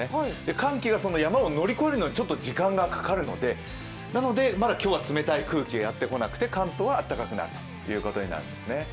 寒気がその山を乗り越えるのにちょっと時間がかかるので、まだ今日は冷たい空気がやってこなくて関東はあったかくなるということになるんですね。